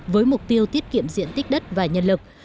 với mục tiêu tiết kiệm diện tích đất và nhân lực